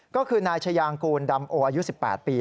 ก็คือนายชายางกูลดำโออายุ๑๘ปี